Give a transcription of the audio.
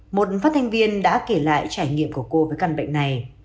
một phát thanh viên đã kể lại trải nghiệm của cô với căn bệnh này